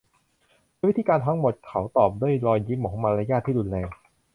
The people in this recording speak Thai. โดยวิธีการทั้งหมดเขาตอบด้วยรอยยิ้มของมารยาทที่รุนแรง